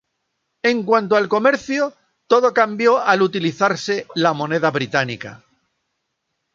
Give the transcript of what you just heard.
En cuanto al comercio, todo cambió al utilizarse la moneda británica.